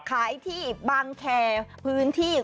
ขายที่บางแค